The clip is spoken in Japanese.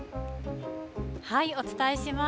お伝えします。